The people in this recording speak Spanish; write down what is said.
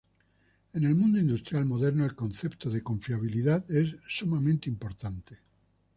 En el mundo industrial moderno, el concepto de confiabilidad es sumamente importante.